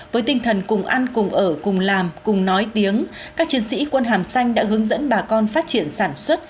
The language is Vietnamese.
với tinh thần cùng ăn cùng ở cùng làm cùng nói tiếng các chiến sĩ quân hàm xanh đã hướng dẫn bà con phát triển sản xuất